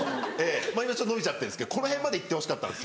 今伸びちゃってるんですけどこの辺まで行ってほしかった。